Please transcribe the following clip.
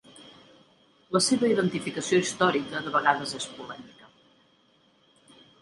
La seva identificació històrica de vegades és polèmica.